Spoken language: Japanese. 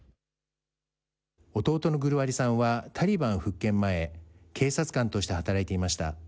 弟のグルワリさんはタリバン復権前、警察官として働いていました。